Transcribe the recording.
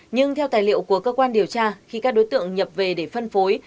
nhưng theo tài liệu của cơ quan điều tra khi các đối tượng nhập về để phân phối